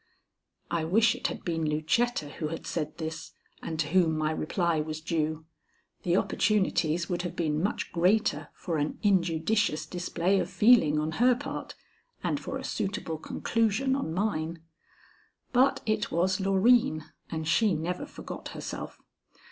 I wish it had been Lucetta who had said this and to whom my reply was due. The opportunities would have been much greater for an injudicious display of feeling on her part and for a suitable conclusion on mine. But it was Loreen, and she never forgot herself.